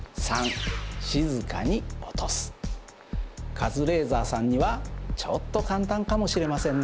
カズレーザーさんにはちょっと簡単かもしれませんね！